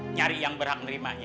nyari yang berhak nerimanya